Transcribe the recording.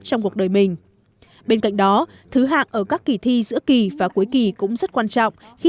trong cuộc đời mình bên cạnh đó thứ hạng ở các kỳ thi giữa kỳ và cuối kỳ cũng rất quan trọng khi